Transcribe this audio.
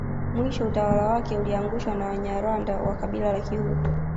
Mwisho utawala wake uliangushwa na Wanyarwanda wa Kabila la Kihutu